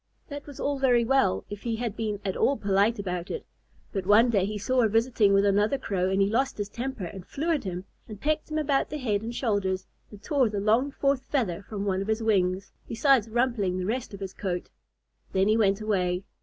That was all very well, if he had been at all polite about it. But one day he saw her visiting with another Crow, and he lost his temper, and flew at him, and pecked him about the head and shoulders, and tore the long fourth feather from one of his wings, besides rumpling the rest of his coat. Then he went away.